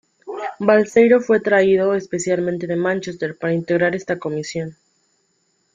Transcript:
Balseiro fue traído especialmente de Mánchester para integrar esta comisión.